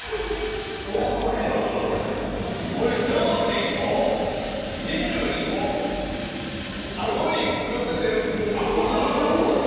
これ、ちょうちんを２２個あごにのせてるんですよ。